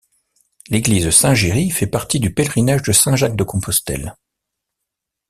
L’église Saint-Géry fait partie du pèlerinage de Saint Jacques de Compostelle.